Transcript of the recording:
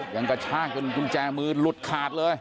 กระชากจนกุญแจมือหลุดขาดเลย